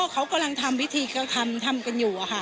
เขากำลังทำวิธีที่เขาทำทำอยู่ค่ะ